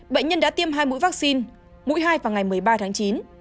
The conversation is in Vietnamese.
bệnh nhân đã tiêm hai mũi vaccine mũi hai vào ngày một mươi ba tháng chín